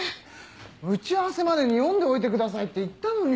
打ち合わせまでに読んでおいてくださいって言ったのに。